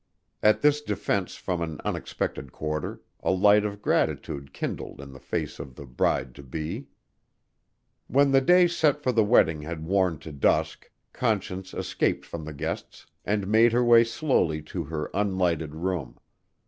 At this defense from an unexpected quarter, a light of gratitude kindled in the face of the bride to be. When the day set for the wedding had worn to dusk, Conscience escaped from the guests and made her way slowly to her unlighted room.